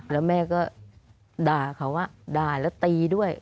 แล้วแม่ก็ด่าเขาด่าแล้วตีด้วย